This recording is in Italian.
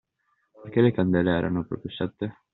Perché le candele erano proprio sette?